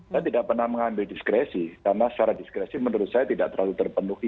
saya tidak pernah mengambil diskresi karena secara diskresi menurut saya tidak terlalu terpenuhi